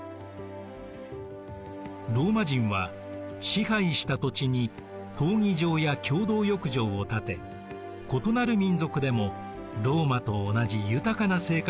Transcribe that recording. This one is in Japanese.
ローマ人は支配した土地に闘技場や共同浴場を建て異なる民族でもローマと同じ豊かな生活が送れるようにしたのです。